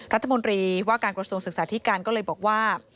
รัฐมนตรีว่าการกระทรวงศึกษาธิการก็เลยบอกว่า